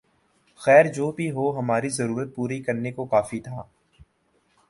خیر جو بھی ہو ہماری ضرورت پوری کرنے کو کافی تھا